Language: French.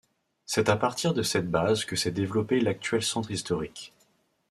C'est à partir de cette base que s'est développée l'actuel centre historique.